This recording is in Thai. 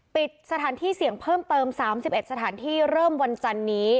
ปิดสถานที่เสี่ยงเพิ่มเติม๓๑สถานที่เริ่มวันจันนี้